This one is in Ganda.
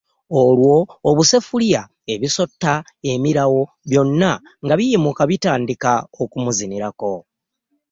Olwo obuseffuliya, ebisotta, emirawo, byonna nga biyimuka bitandika okumuzinirako.